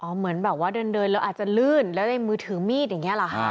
เหมือนแบบว่าเดินแล้วอาจจะลื่นแล้วในมือถือมีดอย่างนี้หรอคะ